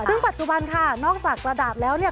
ซึ่งปัจจุบันค่ะนอกจากกระดาษแล้วเนี่ย